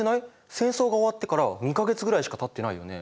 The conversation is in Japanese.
戦争が終わってから２か月ぐらいしかたってないよね？